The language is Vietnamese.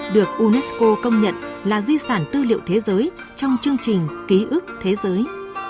được unesco công nhận là di sản tư liệu thế giới trong chương trình ký ức thế giới